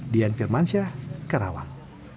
dian firmansyah karawang